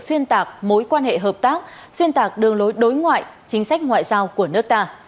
xuyên tạc mối quan hệ hợp tác xuyên tạc đường lối đối ngoại chính sách ngoại giao của nước ta